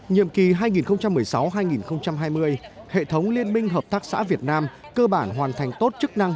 nhiệm kỳ hai nghìn một mươi sáu hai nghìn hai mươi hệ thống liên minh hợp tác xã việt nam cơ bản hoàn thành tốt chức năng